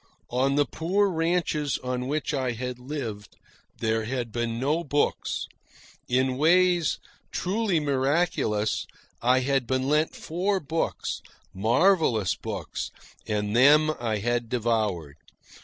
On the poor ranches on which I had lived there had been no books. In ways truly miraculous, I had been lent four books, marvellous books, and them I had devoured.